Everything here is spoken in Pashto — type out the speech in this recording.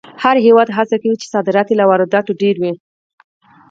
هر هېواد هڅه کوي چې صادرات یې له وارداتو ډېر وي.